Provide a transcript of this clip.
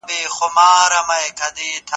زه په کوڅې کي له بدو خبرو ځان ساتم.